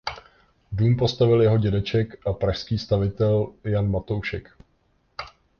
Dům postavil jeho dědeček a pražský stavitel Jan Matoušek.